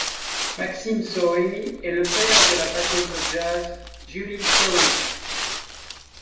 Maxim Saury est le père de la batteuse de jazz Julie Saury.